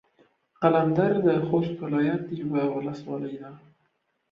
قلندر د خوست ولايت يوه ولسوالي ده.